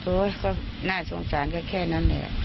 โอ้โฮน่าสงสารแค่นั้นแหละ